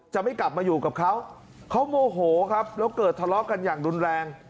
จะไม่กลับมาอยู่กับเขาเขาโมโหครับแล้วเกิดทะเลาะกันอย่างรุนแรง